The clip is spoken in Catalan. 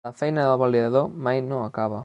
La feina del validador mai no acaba.